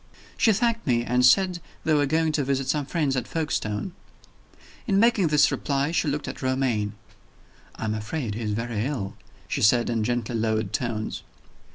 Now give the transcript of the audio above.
She thanked me, and said they were going to visit some friends at Folkestone. In making this reply, she looked at Romayne. "I am afraid he is very ill," she said, in gently lowered tones.